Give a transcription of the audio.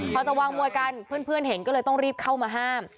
พอจะวางมวยกันเพื่อนเห็นก็เลยต้องรีบเข้ามาห้าม